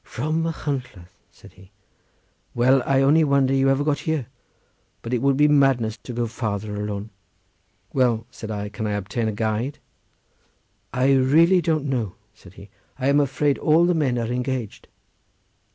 "From Machynlleth!" said he. "Well, I only wonder you ever got here, but it would be madness to go further alone." "Well," said I, "can I obtain a guide?" "I really don't know," said he; "I am afraid all the men are engaged."